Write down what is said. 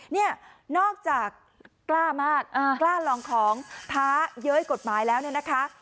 เนี่ยนอกจากกล้ามากกล้าลองของท้าเย้ยกฎหมายแล้วเนี่ยนะคะ